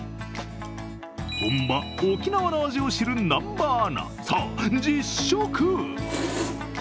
本場・沖縄の味を知る南波アナ、さあ実食！